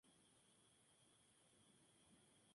Carl, era delgado, algo demoníaco en apariencia.